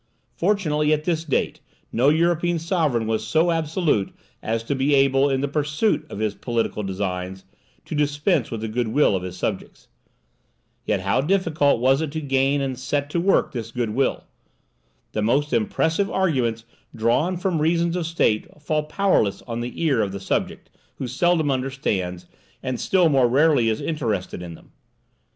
Fortunately at this date no European sovereign was so absolute as to be able, in the pursuit of his political designs, to dispense with the goodwill of his subjects. Yet how difficult was it to gain and to set to work this goodwill! The most impressive arguments drawn from reasons of state fall powerless on the ear of the subject, who seldom understands, and still more rarely is interested in them.